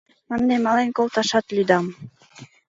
— Ынде мален колташат лӱдам.